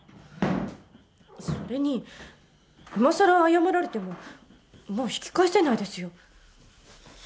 それに今さら謝られてももう引き返せないですよ。